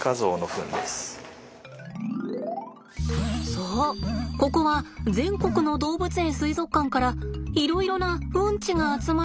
そうここは全国の動物園水族館からいろいろなウンチが集まる研究室です。